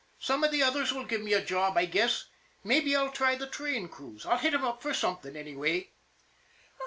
Some of the others will give me a job, I guess. Mabbe I'll try the train crews. I'll hit 'em up for something, anyway."